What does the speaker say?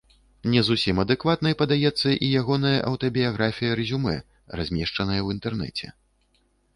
Не зусім адэкватнай падаецца і ягоная аўтабіяграфія-рэзюмэ, размешчаная ў інтэрнэце.